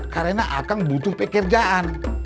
karena saya butuh pekerjaan